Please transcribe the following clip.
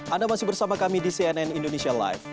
anda masih bersama kami di cnn indonesia live